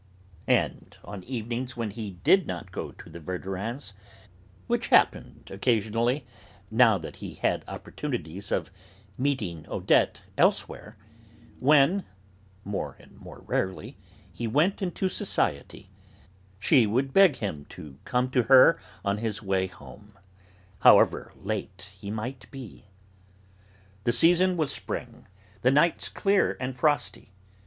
And on evenings when he did not go to the Verdurins' (which happened occasionally, now that he had opportunities of meeting Odette elsewhere), when more and more rarely he went into society, she would beg him to come to her on his way home, however late he might be. The season was spring, the nights clear and frosty.